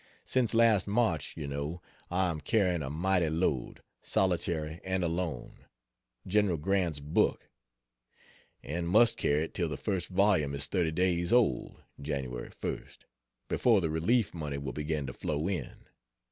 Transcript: Since last March, you know, I am carrying a mighty load, solitary and alone General Grant's book and must carry it till the first volume is 30 days old (Jan. 1st) before the relief money will begin to flow in.